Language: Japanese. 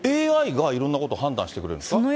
ＡＩがいろんなことを判断してくれるんですか。